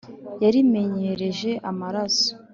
yarimenyereje amaraso